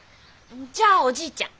じゃあおじいちゃん。